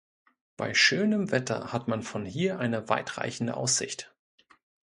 Bei schönem Wetter hat man von hier eine weitreichende Aussicht.